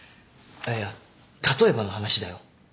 いや例えばの話だよ。